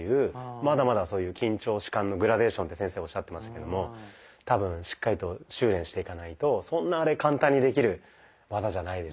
まだまだ「緊張弛緩のグラデーション」って先生おっしゃってましたけども多分しっかりと修練していかないとそんな簡単にできる技じゃないですね。